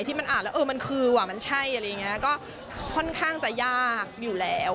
ที่มันอ่านแล้วเออมันคือว่ะมันใช่อะไรอย่างนี้ก็ค่อนข้างจะยากอยู่แล้ว